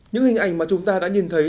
những hình ảnh mà chúng ta đã nhìn thấy